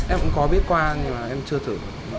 em cũng có biết qua nhưng mà em chưa thử